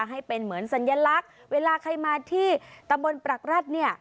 ให้เป็นเหมือนสัญลักษณ์เวลาใครมาที่ตำบลปรักรัฐเนี่ย